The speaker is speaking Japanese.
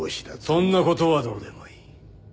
そんなことはどうでもいい。